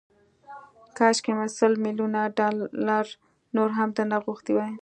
کاشکي مې سل ميليونه ډالر نور هم درنه غوښتي وای